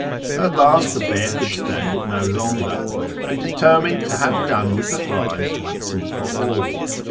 " At last the bear could stand it no longer, and determined to have done with the flies once and for all.